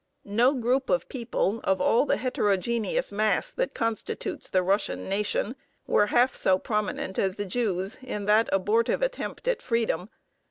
No group of people of all the heterogeneous mass that constitutes the Russian nation were half so prominent as the Jews in that abortive attempt at freedom.